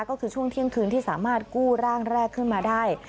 ก็คือช่วงเที่ยงคืนที่สามารถกู้ร่างแรกขึ้นมาได้